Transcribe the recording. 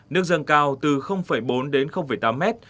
nước dâng cao từ bốn đến tám mét